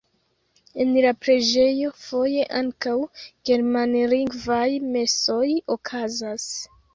En la preĝejo foje ankaŭ germanlingvaj mesoj okazas.